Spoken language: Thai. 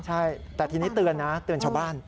ใช่แต่ทีนี้เตือนนะเตือนชาวบ้าน